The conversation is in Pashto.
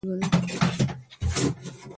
په دې لوست کې به د عبدالرحمان بابا په اړه ولولئ.